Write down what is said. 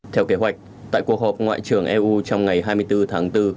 theo kế hoạch tại cuộc họp ngoại trưởng eu trong ngày hai mươi bốn tháng bốn